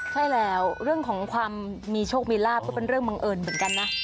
ใช่แล้วเรื่องของความมีโชคมีลาบก็เป็นเรื่องบังเอิญเหมือนกันนะ